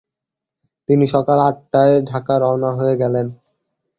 তিনি সকাল আটটায় ঢাকা রওনা হয়ে গেলেন।